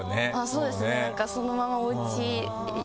そうですね。